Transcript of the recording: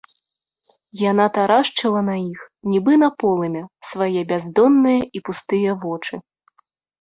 Яна тарашчыла на іх, нібы на полымя, свае бяздонныя і пустыя вочы.